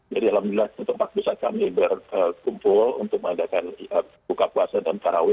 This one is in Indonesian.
jadi alhamdulillah tempat pusat kami berkumpul untuk mengadakan berbuka puasa dan parawe